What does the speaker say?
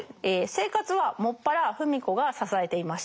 生活は専ら芙美子が支えていました。